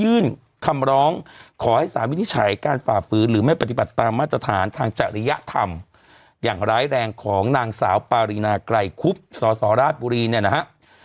คำร้องขอให้สารวินิจฉัยการฝ่าฝืนหรือไม่ปฏิบัติตามมาตรฐานทางจริยธรรมอย่างร้ายแรงของนางสาวปารีนาไกรคุบสสราชบุรีเนี่ยนะฮะ